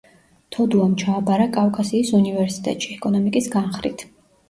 თოდუამ ჩააბარა კავკასიის უნივერსიტეტში, ეკონომიკის განხრით.